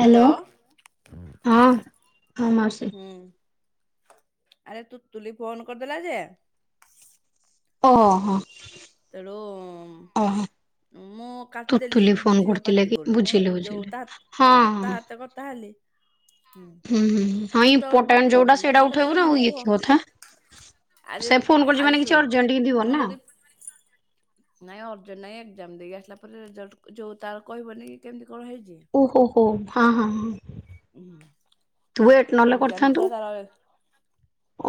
Hello ହୁଁ ହଁ ହଁ ମାଉସୀ। ହୁଁ। ଆରେ ତୁ ତୁଲି ଫୋନ୍ କରିଦେଲା ଯେ? ଓହୋ। ତେଳୁ। ଓହୋ ମୁଁ କାଟିଦେଲି ତୁତୁଲି ଫୋନ ମତେ ଝିଅ କରିଥିଲେ ପାଟି କି କରୁଚି ମୁଁ ବୁଝିଲି ଯୋଉ ବୁଝିଲି। ତା ହଁ ତା ହାତ କଥା ହେଲି। ହୁଁ ହଁ ମତେ ଆହୁରି ଇମ୍ପୋର୍ଟାଣ୍ଟ ପାଟି ଯୋଉଟା କରୁଚି ସେଇଟା ମୁଁ କଲି ଉଠେଇବୁ ଆରେ ନା ଆଉ ମୁଁ ଇଏ କି ଫୋ କଥା। ଆରେ ସେ ଫୋନ କରିଛି ମାନେ ଆରେ କିଛି ଶୁଣୁ ଅର୍ଜେଣ୍ଟ ହିଁ ଥିବ ମୁଁ ନା। ଯଦି ନହିଁ ଅର୍ଜେଣ୍ଟ ନହିଁ ଏଜାମ ଦେଇକି ଆସିଲା ପରେ ରେଜଲ୍ଟ ଯେଉ ତାର କହିବନି କି କେମିତି କଣ ହେଇଛି। ଓହୋ ହୋ ହଁ ହଁ ହଁ। ହୁଁ ତୁ ୱେଟ ନଲେ ଏକ୍ଜାମ କରିଥାନ୍ତୁ। ଥିଲା ତାର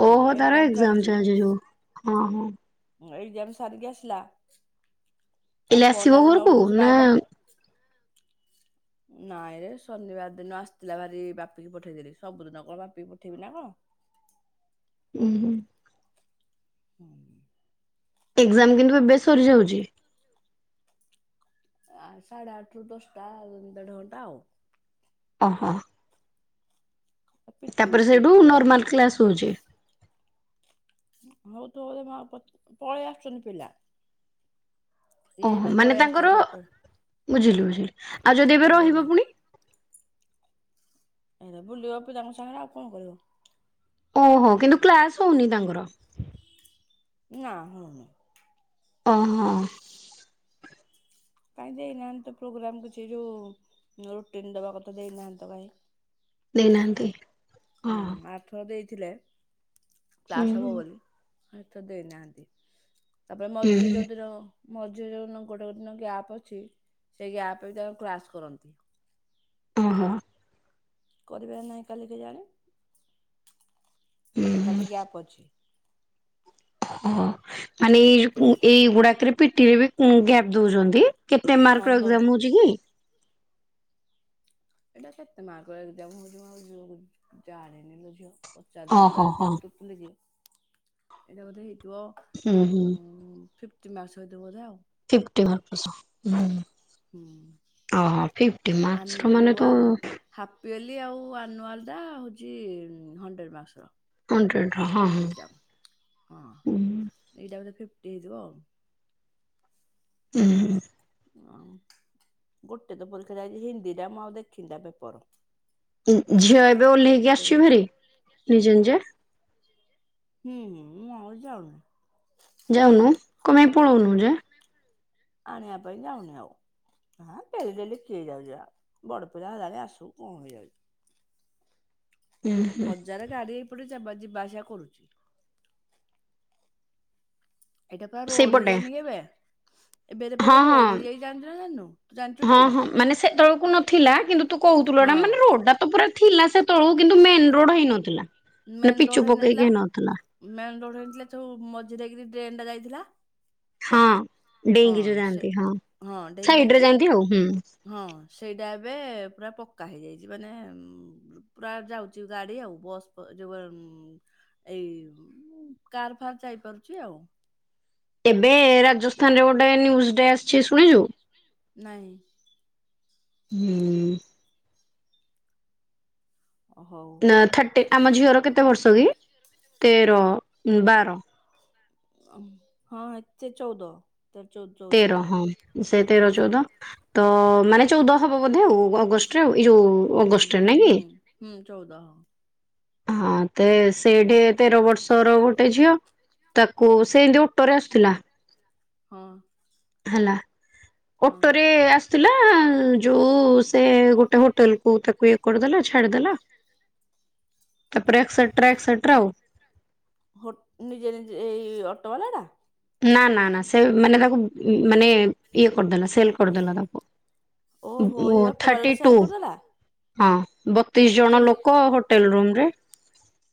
ହୁଁ ଓହୋ ତାର ଏକ୍ଜାମ ଏଜାମ ଚାଲିଛି ଯୋଉ ହଁ ହଁ। ଏଇ ଆଡୁ ସାରିକି ଆସିଲା। ତା ପିଲା ଫୋନ୍ ଆସିବ ଟା ଜଦି ନ ଘରକୁ ଉଠେଇବୁ ସେ ନା ବାରବାର ନାଇଁରେ ଶନିବାର ଦିନ ଆସିଥିଲା ଭାରି ବାପିିକି ପଠେଇଦେଲି ସବୁଦିନ କଣ ବାପିକି ପଠେଇବି ନା କଣ। ଉହୁଁ। ହଁ। ଏକ୍ଜାମ କିନ୍ତୁ ଏବେ ସରିଯାଉଛି। ଆ ସାଢେ ଆଠରୁ ଦଶଟା ଦେଢ ଘଣ୍ଟା ଆଉ ଅ ହଁ। ପିଟି ତାପରେ ସେଇଠୁ ପିଟି ବାଲା ନା ନର୍ମାଲ କ୍ଲାସ ହୋଉଛି? ହୋଉଥିବ ଯଦି ମୁ ଆଉ ପ ପଳେଇ ଆସୁଛନ୍ତି ପିଲା। ଇଏ ଓହୋ ଏନା ମାନେ ପଳେଇ ତାଙ୍କର ଆସିଲା ସଟର ବୁଝିଲି ବୁଝିଲି ଆଉ ଯଦି ଏବେ ସଟର ଡେ ରହିବ ଦିନ। ପୁଣି ଏଇରା ବୁଲିବ ପିଲାଙ୍କ ସାଙ୍ଗରେ ଆଉ କଣ କରିବ। ଓହୋ କିନ୍ତୁ କ୍ଲାସ ହଉନି ତାଙ୍କର? ନା ହେଉନି। ଓ ହ। କାଇଁ ଦେଇନାହାନ୍ତି ତ ପ୍ରୋଗ୍ରାମ କିଛି ଯୋଉ ରୁଟିନ ଦବା କଥା ଦେଇନାହାନ୍ତି ତ କାହିଁ। ଦେଇନାହାନ୍ତି। ହଁ ଉଁ ଆଉଥର ଦେଇଥିଲେ ହୁଁ କ୍ଲାସ ହବ ବୋଲି। ହୁଁ ଏ ତ ଦେଇନାହାନ୍ତି ତାପରେ ମଝିରେ ହୁଁ, ଯୋଉଦିନ ମଝିରେ ଯୋଉ ଦିନ ଗୋଟେ ଗୋଟେ ଦିନ ଗ୍ୟାପ୍ ଅଛି। ସେଇ ଗ୍ୟାପ୍ ବି ତାଙ୍କ କ୍ରାସ୍ କରନ୍ତି। ଓ ହଁ। କରିବେ ନା ନାହିଁ କାଲି କେଜାଣି। ହୁଁ ହୁଁ, କାଲି ଗ୍ୟାପ ଅଛି। ଓ ମାନେ ଏଇ ଯୋଉ ଏଇଗୁଡାକରେ ପିଟିରେ ବି ଗ୍ୟାପ ଦଉଛନ୍ତି? କେତେ ହଁ ମାର୍କ ର ତ ଏକ୍ଜାମ ହୋଉଛି କି? ଏଇଟା କେତେ ମାର୍କ ର ଏଗଯାମ୍ ହୋଉଛି ଯୋଉ ଜାଣିନିଲୋ ଝିଅ ପଚାରୁଥିଲୁ ଓହୋ କାଲି ତା ହୋ ଲୁକି ଏଇଟା ବୋଧେ ହେଇଥିବ ହୁଁ ହୁଁ ଉଁ ଫିଫ୍ ଚ ମାସ ଭିତରେ ବୋଧେ ଆଉ। ଫିଫ୍ଟି ମାର୍କ ର ଶ ହୁଁ ହୁଁ ଓହୋ ଫିଫ୍ଟି ମାର୍କସ୍ ର ମାନେ ତ ହାପିଏଲି ଆଉ ଆନୁଆଲଟା ହୋଉଛି ହଣ୍ଡ୍ରେଡ ମାର୍କସ୍ ର। ହଣ୍ଡ୍ରେଡ ର ହଁ ହଁ ଏ ଯା ହଁ ଏଇଟା ବୋଧେ ଫିଫ୍ଟି ହେଇଥିବ ଆଉ। ହୁଁ। ହଁ। ଗୋଟେ ତ ପରୀକ୍ଷା ଯାଇଛି ହିନ୍ଦୀଟା ମୁଁ ଆଉ ଦେଖିନି ତା ପେପର। ଉ ଉ ଝିଅ ଏବେ ହୁଁ ଓଲ୍ହେଇକି ଆସୂଚୀ ଭାରି ନିଜେ ନିଜେ? ହୁଁ ହ ମୁଁ ଆଉ ଯାଉନି। ଯାଉନୁ କଣ ପାଇଁ ପଳଉନୁ ଯେ। ଆଣିବା ପାଇଁ ଯାଉନି ଆଉ। ହଁ ଡେଲିଡେଲି କିଏ ଯାଉଛି ବା ବଡପିଲା ହେଲାଣି ଆସୁ କଣ ହେଇଯାଉଛି। ହୁଁ ହୁଁ। ଯା ଗାଡ଼ି ହେଇପଟେ ଜବ ଯିବା ଆସିବା କରୁଛି। ଏଇଟା ପୁରା ରୋଡ ସେଇପଟେ ହେଇଯାଇନି କି ଏବେ। ଏବେ ଏତେ ପୁରା ହଁ ହଁ ରୋଡ ହେଇଯାଇଚି। ଜାଣିଛୁ ନା ଜାନିନୁ ତୁ ହଁ ଜାଣିଛୁଠି? ହଁ ମାନେ ସେତେବେଳକୁ ନଥିଲା କିନ୍ତୁ ତୁ କହୁଥିଲୁ ଏଟା ମାନେ ରୋଡ ଟା ତ ପୁରା ଥିଲା ସେ ତବେଳୁ କିନ୍ତୁ ମେନ ରୋଡ ହେଇନଥିଲା। ମାନେ ମେନ୍ ରୋଡ ପିଚୁ ହେଇନଥିଲା ପକେଇକେ ହେଇ। ମେନ୍ ରୋଡ ହେଇଥିଲେ ସବୁ ମଝିରେକିରି ଡ୍ରେନ୍ ଟା ଯାଇଥିଲା। ହଁ ହଁ ଡେଇଁକି ଯୋଉ ସେ ଯାଆନ୍ତି ହଁ ସାଇଡରେ ଡେଙ୍ଗାଦି ଯାଆନ୍ତି ଆଉ ହୁଁ ହଁ ସେଇଟା ଏବେ ପୁରା ପକ୍କା ହେଇଯାଇଛି ମାନେ ପ୍ରାୟ ଯାଉଛି ଗାଡି ଆଉ ବସ୍ ଯୋଉ ଏଇ କାର ଫାର୍ ଯାଇପାରୁଛି ଆଉ। ଏବେ ରାଜସ୍ଥାନରେ ଗୋଟେ ନ୍ୟୁଜ୍ ଡେ ଆସିଛି ଶୁଣିଛୁ? ନାହିଁ। ହୁଁ। ଓ ହୋଉ। ଥାର୍ଟି ଆମ ଝିଅର କେତେ ବର୍ଷ କି ତେର ବାର। ହଁ ଏଚେ ଚଉଦ। ତ ଚଉଦ। ଚଉଦ ତେର ହଁ ସେ ହଁ ତେର ଚଉଦ। ତ ମାନେ ଚଉଦ ହବ ବୋଧେ ଆଉ ଅଗଷ୍ଟରେ ଏଇ ଯୋଉ ହୁଁ ଅଗଷ୍ଟରେ ହୁଁ ନାଇଁ କି ହୁଁ ହୁଁ ଚଉଦ। ହଁ ତ ସେଇଠି ତେର ବର୍ଷର ଗୋଟେ ଝିଅ ତାକୁ ସେ ସେମିତି ହଁ। ହେଲା ହଁ ଅଟୋରେ ଆସୁଥିଲା। ତ ଯୋଉ ସେ ଗୋଟେ ହୋଟେଲ କୁ ତାକୁ ଇଏ କରିଦେଲା ଛାଡିଦେଲା। ତାପରେ ଏକ୍ସ। ନିଜେ ନିଜେ ଏଇ ଅଟୋ ବାଲା ଟା। ନା ନା ନା ସେ ମାନେ ତାକୁ ମାନେ ଇଏ କରିଦେଲା ସେଲ କରିଦେଲା ତାକୁ। ଓହୋ ଏଇ ଅଟୋ ଥାର୍ଟି ବାଲାଟା ଟୁ ସେଲ୍ କରିଦେଲା ହଁ ବତିଶ ଥାର୍ଟି ଟୁ ଜଣ ଲୋକ। ହୋଟେଲ ରୁମ୍ ରେ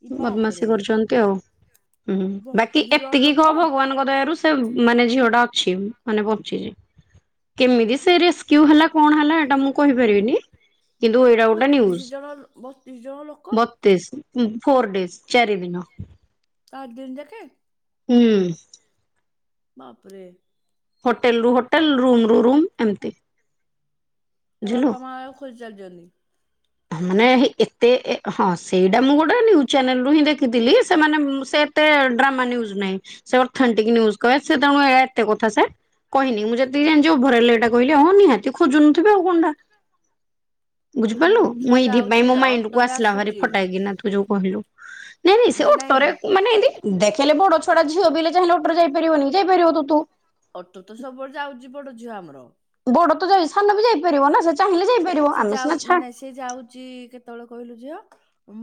ଇ ବଦମାସୀ ବାପରେ କରୁଛନ୍ତି ଆଉ ହୁଁ ବାକି ବତିଶ ଜଣ ଏତିକି ଲୋକ କହ ଭଗବାନଙ୍କ ଥିବାରୁ ସେ ମାନେ ଝିଅଟା ଅଛି ମାନେ ବଞ୍ଚିଛି। କେମିତି ସିଏ ରେସକ୍ଯୁ କଣ ହେଲା ଏଟା ମୁଁ କହିପାରିବିନି କିନ୍ତୁ ଏଇଟା ଗୋଟେ ନିଉସ ବତିଶ ଜଣ ବତିଶ ଜଣ ଲୋକ ବ ଡେଜ୍‌ ଫୋର ଡେଜ୍‌ ଚାର ଦିନ। ଆଉ ଦିଦ ଦେଖେ। ହୁଁ। ବାପ୍ ରେ। ହୋଟେଲ ରୁ ହୋଟେଲ ରୁମ୍ ରୁ ରୁମ୍ ଏମିତି ତା ବୁଝିଲୁ। ବାପା ମାଆ ତାକୁ ଖୋଜୁଛନ୍ତି। ଅଲି ମାନେ ଏତେ ଏ ହଁ। ସେଇଟା ମୁଁ ଗୋଟେ ନ୍ୟୁଜ୍ ଚ୍ୟାନେଲ୍ ରୁ ହିଁ ଦେଖିଥିଲି ସେମାନେ ସେ ଏତେ ଡ୍ରାମା ନ୍ୟୁଜ ନାହିଁ। ସେ ଅଥଣ୍ଟିକ ନ୍ୟୁଜ କହେ ସେ ତାଙ୍କ ଏତେ କଥା ସେ କହିନି ମୁଁ ଯେତିକି ଜାଣିିଚି ଅଭରାଲି ଏଇଟା କହିଲେ ହଁ ନିହାତି ଖୋଜୁନଥିବେ ଆଉ କଣଟା ଆମ ବୁଝିପାରିଲୁ। ମୁଁ ଛୁଆ ଏଇଥି ପାଇଁ ଯାଉଛି ମୋ ମାଇଣ୍ଡ କୁ ଅଟୋରେ ଆସିଲା ଭାରି ଆସୁଛି ଫଟାକିନା ତୁ ଯୋଉ କହିଲୁ ନାଇଁ ନାଇଁ ସେ ଅଟରେ ମାନେ ଏନ୍ତି ଦେଖିଲେ ବଡ଼ ଛୁଆ ଝିଅ ପିଲା ଚାହିଁଲେ ଅଟରେ ଯାଇପାରିବନି କି ଯାଇପାରିବ ତ ତୁ। ଅଟୋ ତ ସବୁବେଳେ ଯାଉଛି ବଡ଼ ଝିଅ ଆମର। ବଡ଼ ତ ଯାଇଛି ସାନ ବି ଯାଇପାରିବ ନା ସେ ଚାହିଁଲେ ଯାଇପାରିବ ସେ ଆମେ ଯାଉ ସିନା ନାଇଁ ଛା ନାଇଁ ସେ ଯାଉଛି କେତେବେଳେ କହିଲୁ ଝିଅ?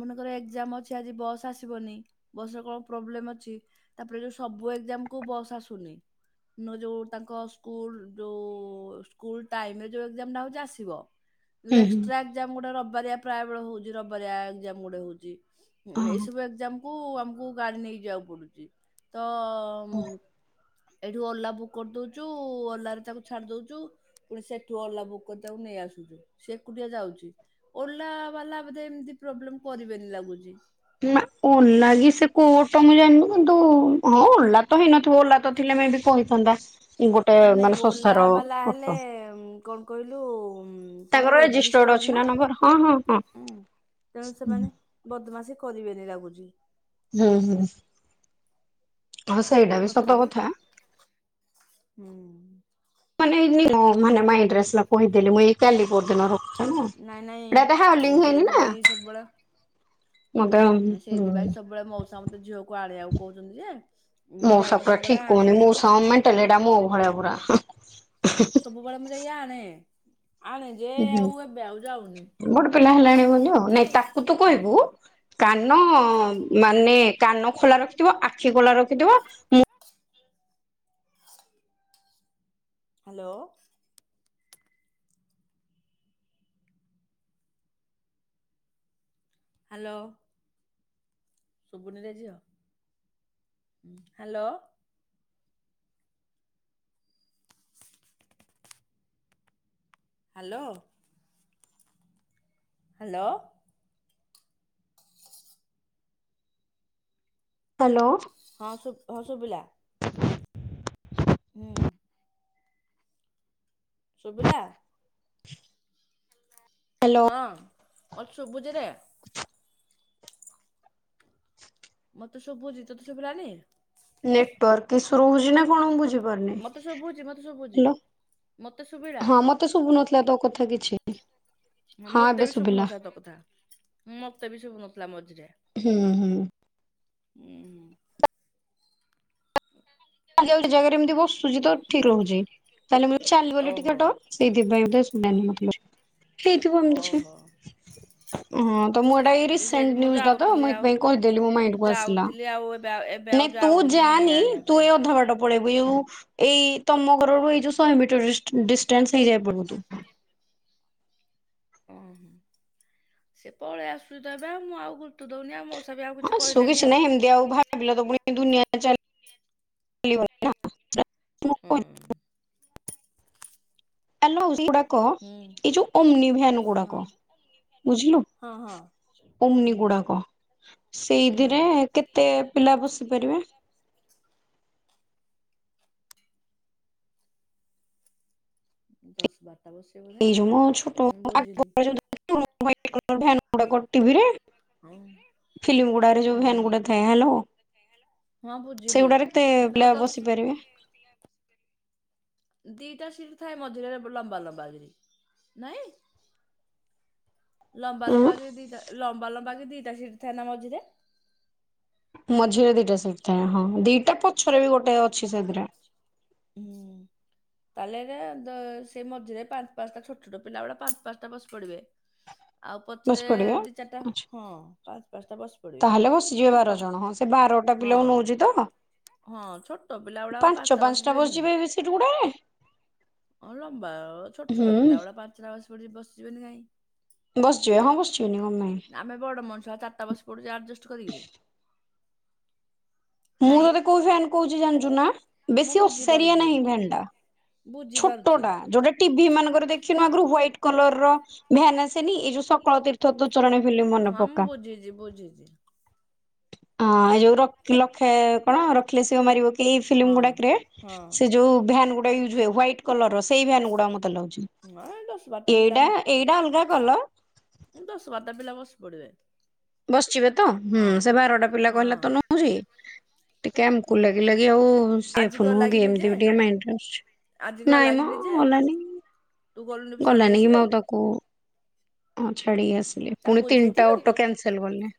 ମନେକର ଏକ୍ଜାମ ଅଛି ଆଜି ବସ୍ ଆସିବନି ବସରେ କଣ ପ୍ରୋବ୍ଲେମ ଅଛି। ତାପରେ ଯୋଉ ସବୁ ଏକ୍ଜାମ କୁ ବସ ଆସୁନି। ନ ଯୋଉ ତାଙ୍କ ସ୍କୁଲ ଯୋଉ ସ୍କୁଲ ଟାଇମ୍ ରେ ଯୋଉ ଏକ୍ଜାମ ହଉଚି ଆସିବ ଯଉ ହୁଁ ହୁଁ। ଏକ୍ସଟ୍ରା ଏକ୍ଜାମ ଗୁଡ଼ା ରବିବାରିଆ ପ୍ରାୟ ବେଳେ ହଉଛି। ରବିବାରିଆ ଏକ୍ଜାମ ଗୁଡ଼ା ହଉଛି ହଁ। ଏସବୁ ଏକ୍ଜାମ କୁ ଆମକୁ ଗାଡ଼ି ନେଇକି ଯିବାକୁ ପଡୁଛି ତ ଉଁ ଏଇଠୁ ଓଲା ବୁକ୍ କରିଦଉଛୁ ଓଲାରେ ତାକୁ ଛାଡି ଦଉଛୁ। ପୁଣି ସେଠୁ ଓଲା ବୁକ୍ କରି ତାକୁ ନେଇ ଆସୁଛୁ ସେ ଏକୁଟିଆ ଯାଉଛି। ଓଲା ବାଲା ବୋଧେ ଏମିତି ପ୍ରୋବ୍ଲେମ କରିବେନି ଲାଗୁଛି। ନା ଓଲା ସେ କୋଟ ମୁଁ ଜାଣିନି କିନ୍ତୁ ହଁ ଓଲା ତ ହେଇନଥିବ ଓଲା ତ ଥିଲେ ମେ ବି କହି ସନ୍ଦା। ନାଇଁ ନାଇଁ ଓଲା ବାଲା ହେଲେ କଣ କହିଲୁ ତାର ତାଙ୍କର ରେଜିଷ୍ଟର୍ଡ ରେଜିଷ୍ଟର ଅଛି ନା ନାଁ, ନମ୍ବର ହଁ ହଁ ହଁ। ହୁଁ ତେଣୁ ସେମାନେ ବଦମାସି କରିବେନି ଲାଗୁଛି। ହୁଁ ହୁଁ ଆଉ ସେଇଟା ବି ସତ ତଥାପି କଥା। ହୁଁ। ମାନେ ଏଇ ମାନେ ମାଇଣ୍ଡ ରେ ଆସିଲା କହିଦେଲି ମୁଁ ଏ କାଲି ପହରଦିନ ନାଇଁ ନାଇଁ ନା ସେଇଥିପାଇଁ ସବୁବେଳେ ମତେ ସେଇଥିପାଇଁ ହୁଁ ସବୁବେଳେ ମଉସା ମତେ ଝିଅକୁ ଆନିବାକୁ କହୁଛନ୍ତି ଯେ ମୁଁ ମଉସା ଯାଇକି ପୁରା ସବୁବେଳେ ଠିକ ଆଣେ କହୁନ୍ତି ମଉସାଙ୍କ ମେଣ୍ଟାଲିଟି ମୋ ଭଳିଆ ପୁରା ସବୁବେଳେ ମୁଁ ଯାଇ ଆଣେ ଆଣେ ଯେ ଉୁ ହୁଁ ଆଉ ଏବେ ଆଉ ଯାଉନି ଗୋଟେ ପିଲା ହେଲାଣି ବୋଲି ଆଉ ନାଇଁ ତାକୁ ତୁ କହିବୁ କାନ ମାନେ, କାନ ଖୋଲା ରଖିଥିବ ଆଖି ଖୋଲା ରଖିଥିବ ମୁଁ ହ୍ୟାଲୋ। ହାଲୋ। ଶୁବୁନିରେ ଝିଅ, ହାଲୋ। ହାଲୋ। ହାଲୋ। ହାଲୋ। ହଁ ସୁ- ହଁ ଶୁଭିଲା। [unintelligible] ହୁଁ। ଶୁଭିଲା? [inaudible] ହ୍ୟାଲୋ ହଁ ମୋତେ ଶୁଭୁଚିରେ। ମତେ ଶୁଭୁଛି ତତେ ଶୁଭିଲାନି? ନେଟୱାର୍କ ଇସୁ ରହୁଛି ନା କଣ ବୁଝିବ ପାରୁନି, ମତେ ଶୁଭୁଛି ମତେ ଶୁଭୁଛି ହେଲା ମତେ ଶୁଭିଲା ହଁ। ମତେ ଶୁଭୁନଥିଲା ତୋ କଥା କିଛି ହଁ ମତେ ଏବେ ବି ଶୁଭିଲା ଶୁଭୁନଥିଲା ତୋ କଥା, ମତେ ବି ସୁବୁନଥିଲା ମଝିରେ ହୁଁ, ହୁଁ। ହୁଁ। ହ [unintelligible] ଯୋଉ ଜାଗାରେ ଏମିତି ବସୁଛି ତ ଠିକ୍ ରହୁଛି। ତାହେଲେ ମୁଁ ଚାଲିଗଲି ଟିକେ ଓହୋ ଟ ସେଇଥିପାଇଁ ମତେ ଶୁଣାଣି ହେଇଥିବ ମିଛ। ଓହୋ ହଁ ତ ମୁଁ ଏଟା ଏଇ ଯେ ସେ ରିସେଣ୍ଟ ମୁଁ ନିଉଜ୍ ଟାତ ଯାଉଥିଲି ମୁଁ ଆଉ ଏଥିପାଇଁ କହିଦେଲି ମୋ ମାଇଣ୍ଡ କୁ ଆସିଲା। ଯାଉଥିଲି ଆଉ ଏବେ ଆଉ ଏବେ ଆଉ ନାଇଁ ତୁ ଯାଉନି ଯାନି ଆଣିବା ତୁ ପାଇଁ ଏ ଅଧା ବାଟ ପଳେଇବୁୁ ଏଉ ଏଇ ତମ ଘର ର ଏଇ ଯୋଉ ଶହେ ମିଟର ଡିଷ୍ଟ- ଡିଷ୍ଟାନ୍ସ ହେଇଯାଇ ପୂର୍ବରୁ ଓହୋ। ସେ ପଳେଇ ଆସୁ ତ ଏବା ମୁଁ ଆଉ ଗୁରୁତ ଦଉନି ଆମ ଆଉ କିଛି ଆସୁ କହିଲେନି ଆଉ ନାହିଁ ଏମିତି ଭାବିଲେ ତ ପୁଣି ଦୁନିଆ ଟା ଚାଲି [unintelligible] ହୁଁ। [unintelligible] କହ ହୁଁ ଏଇ ଯୋଉ ଅମନି ଭିୟାନ୍ ହଁ ଗୁଡାକ ବୁଝିଲୁ ହଁ ହଁ ଉମିନି ହୁଁ ଗୁଡାକ, ହୁଁ ସେଇଥିରେ କେତେ ପିଲା ବସି ପାରିବେ? ଦଶ ବାରଟା ବସେ [unintelligible] ହଉ। ଫିଲ୍ମ ଗୁଡାରେ ଯୋଉ ଫ୍ୟାନ୍ ଗୁଡା ଥାଏ। ହାଲୋ। ହଁ ବୁଝିଲି ସେଗୁଡାରେ ତେ- ଏଟା ବ ପିଲା ଦଶ ବସି ପାରିବେ? [unintelligible] ଦିଇଟା ସିଟ୍ ଥାଏ ମଝିରେରେ ଲମ୍ବା ଲମ୍ବା ଗିରି, ନାଇଁ। ଲମ୍ବା ଉଁ ଲମ୍ବା କି ଦିଟା ଲମ୍ବା ଲମ୍ବା କି ଦିଟା ସିଟ୍ ଥାଏ ନା ମଝିରେ? ମଝିରେ ଦିଟା ସିଟ୍ ଥାଏ। ହଁ ଦିଟା ପଛରେ ବି ଗୋଟେ ଅଛି ସେଥିରେ ହୁଁ ତାହେଲେ ଏଇଟା ଦେ ସେ ମଝିରେ ପାଞ୍ଚ ପାଞ୍ଚଟା ଛୋଟ ଛୋଟ ପିଲାଗୁଡା ପାଞ୍ଚ ପାଞ୍ଚଟା ବସି ପଡ଼ିବେ। [inaudible] ଆଉ ବସି ପଛରେ ପଡିବେ। ଦି ଚାରିଟା ଆଚ୍ଛା ହଁ ପାଞ୍ଚ ପାଞ୍ଚଟା ବସି ପଡିବେ ତାହେଲେ ବସିଯିବେ ବାର ଛୋଟ ଜଣ ହଁ ସେ ବାରଟା ପିଲାକୁ ନୋଉଛି ତ ହଁ ଛୋଟ ପିଲା ଗୁଡାକ ପାଞ୍ଚ ପାଞ୍ଚଟା ବସିଯିବେନି ବସିଯିବେ ଏବେ ସେ ଏଠିଗୁଟେ ହଁ ଲମ୍ବା ଅ ଛୋଟ ଛୋଟ ହୁଁ। ପିଲା ଗୁଡ଼ା ପାଞ୍ଚାସ ପଡି ବସିଯିବେନି କାଇଁକି ବସିଯିବେ ହଁ ବସିଯିବେ ନି କଁ ପାଇଁ। ଆମେ ବଡ଼ ମଣିଷଆ ଚାରଟା ବସ ପଡୁ ଆଡଜଷ୍ଟ କରିକିରି। ମୁଁ ନାଇଁ ଏବେ କୋଉ ଫ୍ୟାନ୍ କହୁଛି ଜାଣିଛୁ ନା ମୁଁ ବେଶୀ ଓସାରିଆ ବୁଝିପାରୁଛି ନାହିଁ ଭେନ୍ ଟା। ଛୋଟ ବୁଝିପାରୁଛି। ଟା ଯୋଉଟା ଟିଭିି ମାନଙ୍କର ଦେଖିନୁ ଆଗରୁ ହ୍ୟାଇଟ୍ କଲର୍ ର ଭ୍ୟାନ୍ ଆସେନି ଏଇ ଯୋଉ ସକାଳ ତୀର୍ଥ ତୁ ଚରଣ ଫିଲ୍ମ୍ ରେ ହଁ ମୁଁ ବୁଝିଛି ବୁଝିଛି। ହଁ ଏ ଯୋଉ ରଖିଲଖେ କଣ ରଖିଲେ ଶିବ ମାରିବ କିଏ ଫିଲ୍ମ ହଁ ଗୁଡାକରେ ହଁ। ସେ ଯୋଉ ଭ୍ୟାନ୍ ଗୁ ଏ ୟୁଜ୍ ହୁଏ ହ୍ୟାଇଟ୍ କଲର ର ସେଇ ଭ୍ୟାନ୍ ଗୁଡ଼ା ମତେ ଲାଗୁଛି ହଁ ଦଶ ବାରଟା ଏଇଟା ଏଇଟା ଅଲଗା କଲର୍ ଏମ୍ ଦଶ ବାରଟା ପିଲା ବସି ପଡ଼ିବେ। ବସିବେ ତ ହୁଁ ସେ ବାରଟା ପିଲା କହିଲା ହଁ ତ ନୋଉଚି ଟିକେ ଆମକୁ ଲାଗିଲାଗି ଆଉ ଆଜି ସେଫ୍ କଣ ନୁହଁ କି ଲାଗିନି ଯେ ଏମିତି ବି ଟିକେ ମିନ୍ଟ୍ରେ ଆସୁଛି। ଆଜି କଣ ନାଇଁ ମ ଲାଗିନି ଯେ ଗଲାନି ତୁ ଗଲୁନୁ ଶାଢୀ ଗଲାନି ମୁଁ ଆସିଲୁ ଆଉ ତାକୁ ହଁ ଛାଡ଼ିକି ଆସିଲି ତାକୁ ପୁଣି ତିନିଟା ବୁଝେଇଥିଲୁ ଅଟୋ କ୍ୟାନସେଲ କଲେ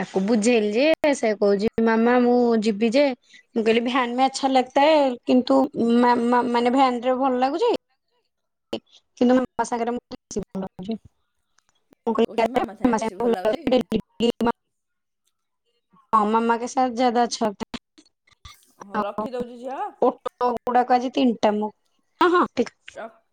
ତାକୁ ବୁଝେଇଲି ଯେ ସେ କହୁଛି ମାମା ମୁଁ ଯିବି ଯେ ମୁଁ କହିଲି ଭ୍ୟାନ ମେ ଆଚ୍ଛା ଲଗଟାହେ କିନ୍ତୁ ମ୍ୟାମ୍ ମା ମାନେ ଭ୍ୟାନ ରେ ଭଲ ଲାଗୁଛି। [unintelligible] ଆସାକରେ [unintelligible] ମୁ [inaudible] କହୁଛି ମାମା ସାଙ୍ଗେ ବେଶୀ ଭଲ ଲାଗୁଛି [unintelligible] ମାମାାମା କେ ସା ଜଦା ଅଛା। ହଉ ରଖିଦଉଛି ଝିଅ [unintelligible] ଉଡ଼ା କଜି ତିନଟା ମ ହଁ ହଁ ଠିକ୍ [unintelligible]